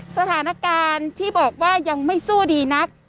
สถานการณ์ที่บอกว่ายังไม่สู้ดีนัก